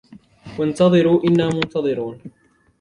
وَانْتَظِرُوا إِنَّا مُنْتَظِرُونَ